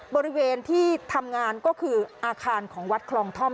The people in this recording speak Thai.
บริเวณที่ทำงานก็คืออาคารของวัดคลองท่อม